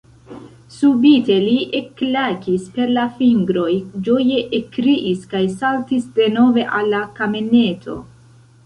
Subite li ekklakis per la fingroj, ĝoje ekkriis kaj saltis denove al la kameneto.